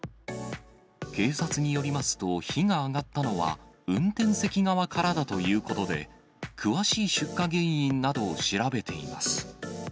警察によりますと、火が上がったのは運転席側からだということで、詳しい出火原因などを調べています。